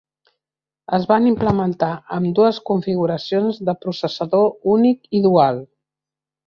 Es van implementar ambdues configuracions de processador únic i dual.